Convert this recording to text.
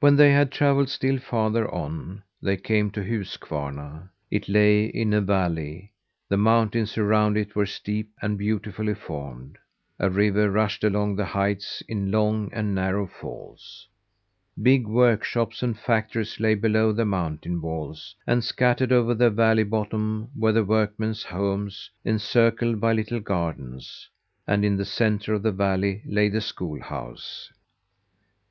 When they had travelled still farther on, they came to Huskvarna. It lay in a valley. The mountains around it were steep and beautifully formed. A river rushed along the heights in long and narrow falls. Big workshops and factories lay below the mountain walls; and scattered over the valley bottom were the workingmens' homes, encircled by little gardens; and in the centre of the valley lay the schoolhouse.